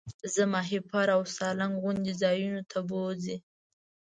زه ماهیپر او سالنګ غوندې ځایونو ته بوځئ.